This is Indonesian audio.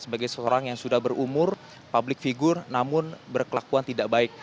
sebagai seorang yang sudah berumur public figure namun berkelakuan tidak baik